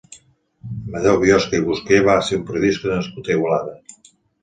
Amadeu Biosca i Busqué va ser un periodista nascut a Igualada.